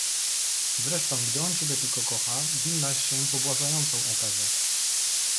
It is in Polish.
"Zresztą gdy on ciebie tylko kocha, winnaś się pobłażającą okazać."